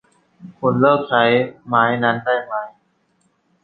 คุณเลิกใช้ไม้นั้นได้มั้ย !